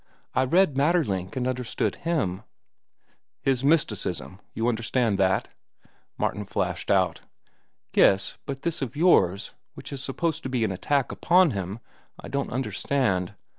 I read Maeterlinck and understand him—" "His mysticism, you understand that?" Martin flashed out. "Yes, but this of yours, which is supposed to be an attack upon him, I don't understand.